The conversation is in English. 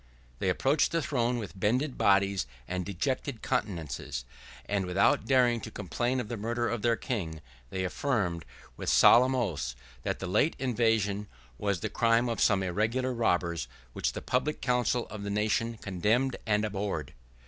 They approached the throne with bended bodies and dejected countenances; and without daring to complain of the murder of their king, they affirmed, with solemn oaths, that the late invasion was the crime of some irregular robbers, which the public council of the nation condemned and abhorred.